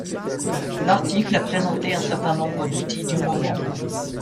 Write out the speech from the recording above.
L'article a présenté un certain nombres d'outils du moment